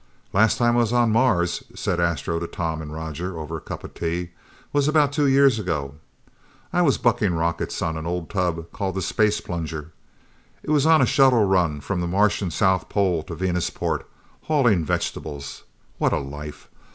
"Last time I was on Mars," said Astro to Tom and Roger over a cup of tea, "was about two years ago. I was bucking rockets on an old tub called the Space Plunger. It was on a shuttle run from the Martian south pole to Venusport, hauling vegetables. What a life!